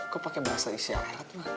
kau pake bahasa israel ma